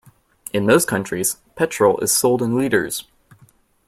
In most countries, petrol is sold in litres